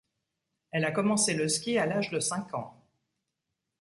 Elle a commencé le ski à l'âge de cinq ans.